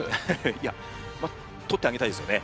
いや取ってあげたいですよね。